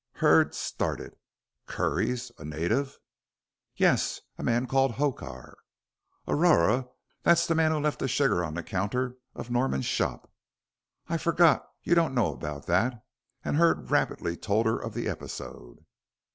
Hurd started. "Curries a native?" "Yes a man called Hokar." "Aurora, that's the man who left the sugar on the counter of Norman's shop. I forgot you don't know about that," and Hurd rapidly told her of the episode.